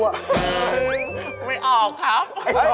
ไม่ออกครับ